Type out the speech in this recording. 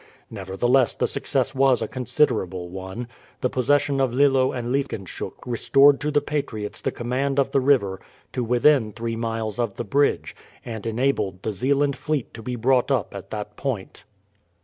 Nevertheless the success was a considerable one. The possession of Lillo and Liefkenshoek restored to the patriots the command of the river to within three miles of the bridge, and enabled the Zeeland fleet to be brought up at that point.